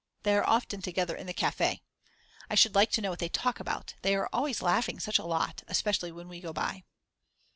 They are often together in the Cafe. I should like to know what they talk about, they are always laughing such a lot, especially when we go by.